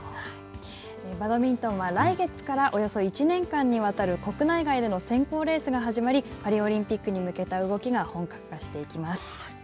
バドミントンは来月からおよそ１年間にわたる国内外での選考レースが始まり、パリオリンピックに向けた動きが本格化していきます。